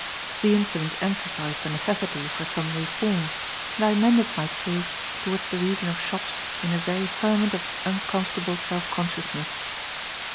The incident emphasized the necessity for some reform, and I mended my pace towards the region of shops in a very ferment of uncomfortable self consciousness.